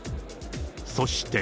そして。